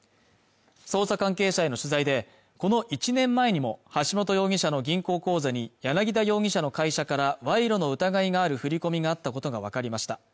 捜査関係者への取材でこの１年前にも橋本容疑者の銀行口座に柳田容疑者の会社から賄賂の疑いがある振り込みがあったことが分かりました